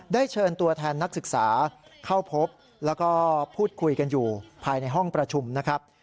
เชิญตัวแทนนักศึกษาเข้าพบแล้วก็พูดคุยกันอยู่ภายในห้องประชุมนะครับ